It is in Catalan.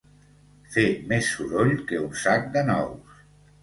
Fer més soroll que un sac de nous.